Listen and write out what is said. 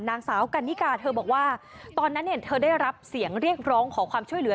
นางสาวกันนิกาเธอบอกว่าตอนนั้นเนี่ยเธอได้รับเสียงเรียกร้องขอความช่วยเหลือ